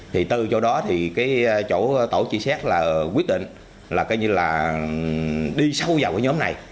thì từ chỗ đó thì chỗ tổ tri xét quyết định là đi sâu vào nhóm này